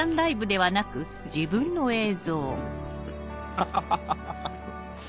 ハハハハ！